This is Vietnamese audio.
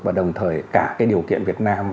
và đồng thời cả điều kiện việt nam